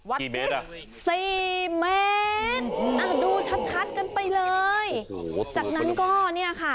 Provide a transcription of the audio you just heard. วันคือ๔เมตรดูชัดกันไปเลยจากนั้นก็เนี่ยค่ะ